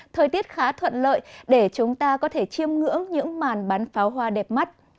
thời tiết khá thuận lợi để chúng ta có thể chiêm ngưỡng những màn bắn pháo hoa đẹp mắt